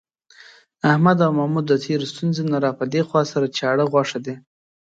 احمد او محمود د تېرې ستونزې نه را پدېخوا، سره چاړه غوښه دي.